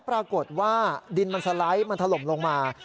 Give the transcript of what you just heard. ปรากฏว่าดินมันสไลด์มันถล่มลงมา